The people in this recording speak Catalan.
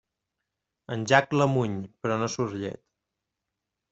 En Jack la muny, però no surt llet.